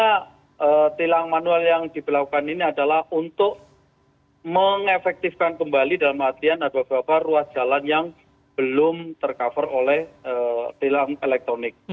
karena tilang manual yang diberlakukan ini adalah untuk mengefektifkan kembali dalam artian ada beberapa ruas jalan yang belum tercover oleh tilang elektronik